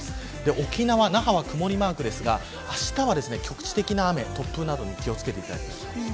沖縄・那覇は曇りマークですがあしたは局地的な雨、突風など気を付けてほしいです。